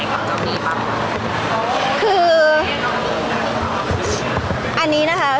พี่ตอบได้แค่นี้จริงค่ะ